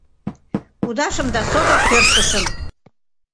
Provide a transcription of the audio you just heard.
Кудашым да содор тӧрштышым...